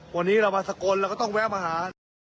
วันนี้เรามาสกลเราก็ต้องแวะมาหา